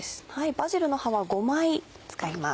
バジルの葉は５枚使います。